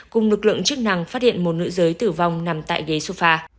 cùng lực lượng chức năng phát hiện một nữ giới tử vong nằm tại ghế sufa